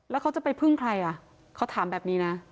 แล้วเขาจะไปพึ่งใครอ่ะเขาถามแบบนี้นะ